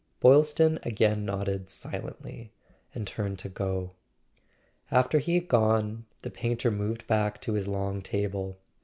Boylston again nodded silently, and turned to go. After he had gone the painter moved back to his long table.